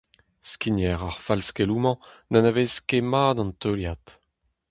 Skigner ar falskeloù-mañ n'anavez ket mat an teuliad.